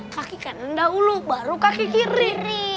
kaki kanan dahulu baru kaki kiri